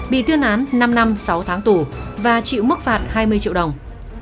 bị tuyên án năm năm sáu tháng tù và chịu mức phạt hai mươi triệu đồng